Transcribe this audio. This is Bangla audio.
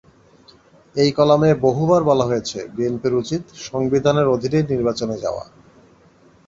এই কলামে বহুবার বলা হয়েছে, বিএনপির উচিত সংবিধানের অধীনেই নির্বাচনে যাওয়া।